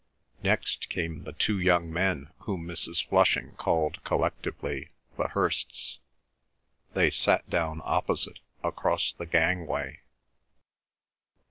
Next came the two young men whom Mrs. Flushing called collectively the Hirsts. They sat down opposite, across the gangway.